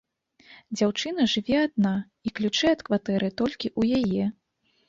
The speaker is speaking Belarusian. Дзяўчына жыве адна і ключы ад кватэры толькі ў яе.